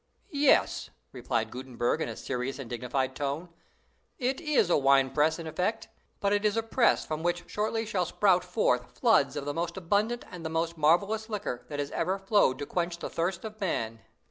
"'Yes,' replied Gutenberg in a serious and dignified tone, 'it is a wine press in effect, but it is a press from which shortly shall sprout forth floods of the most abundant and the most marvelous liquor that has ever flowed to quench the thirst of man.